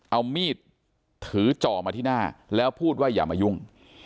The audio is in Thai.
เอามีดถือจ่อมาที่หน้าแล้วพูดว่าอย่ามายุ่ง